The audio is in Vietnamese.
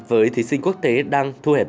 với thí sinh quốc tế đang thu hẹp